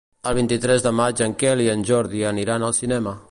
El vint-i-tres de maig en Quel i en Jordi aniran al cinema.